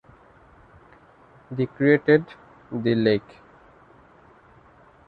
The created the lake.